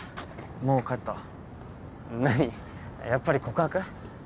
もう帰った何やっぱり告白？